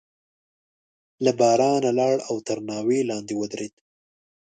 له بارانه لاړ او تر ناوې لاندې ودرېد.